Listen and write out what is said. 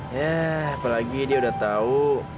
ya apalagi dia udah tahu